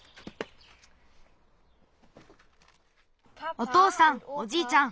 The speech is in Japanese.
おとうさんおじいちゃん。